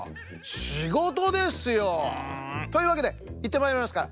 しごとですよ。というわけでいってまいりますから。